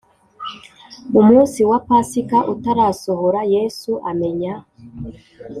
Umunsi wa pasika utarasohora yesu amenya